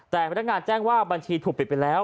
แต่พนักงานแจ้งว่าบัญชีถูกปิดไปแล้ว